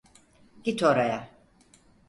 Git oraya.